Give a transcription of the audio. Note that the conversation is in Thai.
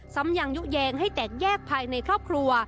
ซ้ำยังยุแยงให้แตกแยกภายในครอบครัว